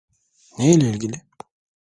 Ne ile ilgili?